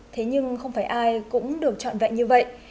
thế nhưng không phải ai cũng được chọn vậy như vậy